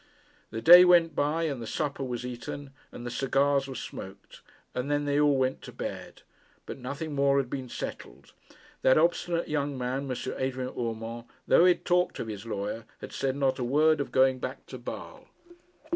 The day went by, and the supper was eaten, and the cigars were smoked, and then they all went to bed. But nothing more had been settled. That obstinate young man, M. Adrian Urmand, though he had talked of his lawyer, had said not a word of going back to Basle.